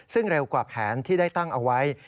ซึ่งเร็วกว่าแผนที่ได้ตั้งเอาไว้